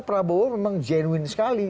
prabowo memang jenuin sekali